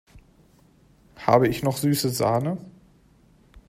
Habe ich noch süße Sahne?